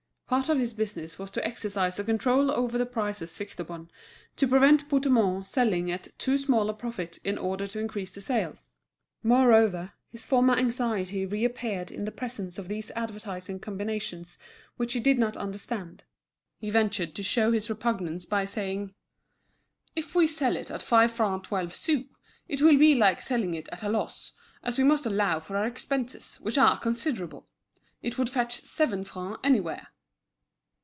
Part of his business was to exercise a control over the prices fixed upon, to prevent Bouthemont selling at too small a profit in order to increase the sales. Moreover, his former anxiety reappeared in the presence of these advertising combinations which he did not understand. He ventured to show his repugnance by saying: "If we sell it at five francs twelve sous, it will be like selling it at a loss, as we must allow for our expenses, which are considerable. It would fetch seven francs anywhere."